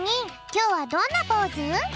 きょうはどんなポーズ？